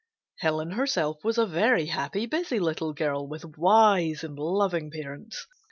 Helen herself was a very happy, busy little girl, with wise and loving parents.